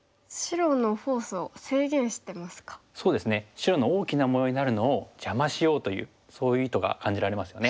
白の大きな模様になるのを邪魔しようというそういう意図が感じられますよね。